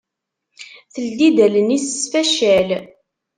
Teldi-d allen-is s faccal.